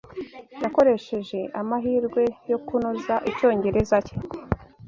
Yakoresheje amahirwe yo kunoza icyongereza cye.